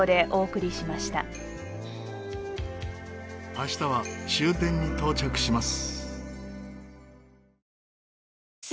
明日は終点に到着します。